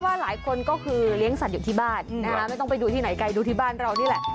หลายคนก็คือเลี้ยงสัตว์อยู่ที่บ้านนะคะไม่ต้องไปดูที่ไหนไกลดูที่บ้านเรานี่แหละ